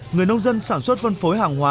người nông dân sản xuất vân phối hàng hóa